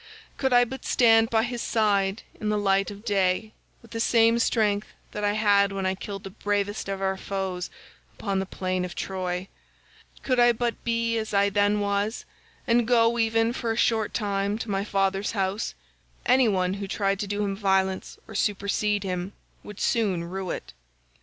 Could I but stand by his side, in the light of day, with the same strength that I had when I killed the bravest of our foes upon the plain of Troy—could I but be as I then was and go even for a short time to my father's house, any one who tried to do him violence or supersede him would soon rue it.